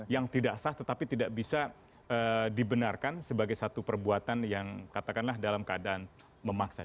yang tidak sah tetapi tidak bisa dibenarkan sebagai satu perbuatan yang katakanlah dalam keadaan memaksa